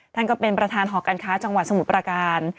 ท่านก็เป็นประธานหอกรรคาจังหวัดสมุตรประการ